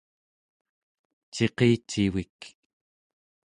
ciqicivik